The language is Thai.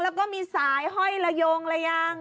แล้วก็มีสายห้อยละโยงระยาง